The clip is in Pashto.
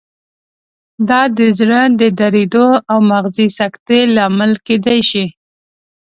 دا د زړه د دریدو او مغزي سکتې لامل کېدای شي.